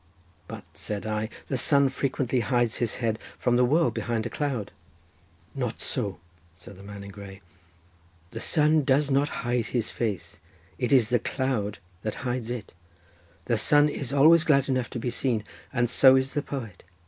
"But," said I, "the sun frequently hides his head from the world, behind a cloud." "Not so," said the man in grey. "The sun does not hide his face, it is the cloud that hides it. The sun is always glad enough to be seen, and so is the poet.